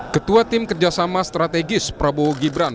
ketua tim kerjasama strategis prabowo gibran